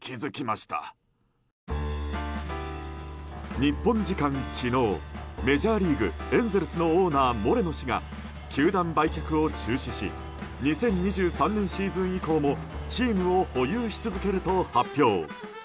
日本時間昨日メジャーリーグ、エンゼルスのオーナー、モレノ氏が球団売却を中止し２０２３年シーズン以降もチームを保有し続けると発表。